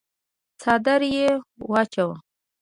څادر يې واچاوه.